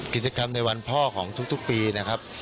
กิจกรรมในวันพ่อของทุกปีนะครับ